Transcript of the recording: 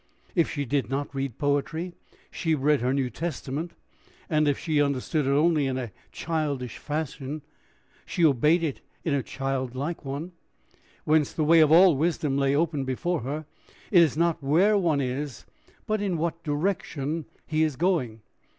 If she did not read poetry, she read her New Testament; and if she understood it only in a childish fashion, she obeyed it in a child like one, whence the way of all wisdom lay open before her. It is not where one is, but in what direction he is going.